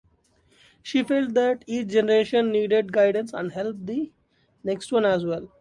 She felt that each generation needed guidance and help the next one as well.